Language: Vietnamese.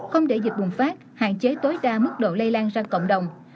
không để dịch bùng phát hạn chế tối đa mức độ lây lan sang cộng đồng